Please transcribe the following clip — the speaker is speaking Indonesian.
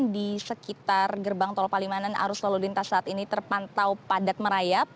di sekitar gerbang tol palimanan arus lalu lintas saat ini terpantau padat merayap